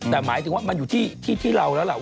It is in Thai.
แต่หมายถึงว่ามันอยู่ที่ที่เราแล้วล่ะ